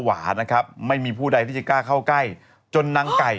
อายุ๔๗ปี